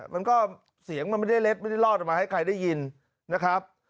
มันก็เสียงมันไม่ได้เล็ดไม่ได้รอดออกมาให้ใครได้ยินนะครับ